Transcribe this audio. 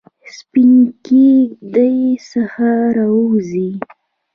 سپینې کیږ دۍ څخه راووزي